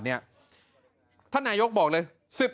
เนี่ยท่านนายยกบอกเลย